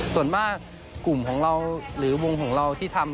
ส่วนมากกลุ่มของเราหรือวงของเราที่ทำ